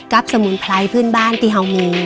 กับสมุนไพรพื้นบ้านที่เรามี